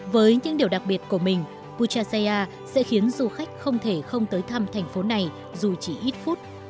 với những điều đặc biệt của mình puchaya sẽ khiến du khách không thể không tới thăm thành phố này dù chỉ ít phút